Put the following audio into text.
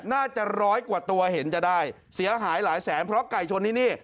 น่าจะร้อยกว่าตัวเห็นจะได้เสียหายหลายแสนเพราะไก่ชนที่นี่